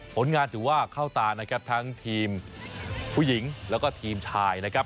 ผลงานถือว่าเข้าตานะครับทั้งทีมผู้หญิงแล้วก็ทีมชายนะครับ